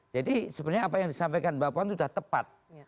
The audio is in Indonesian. jadi sebenarnya apa yang disampaikan mbak puan itu sudah tepat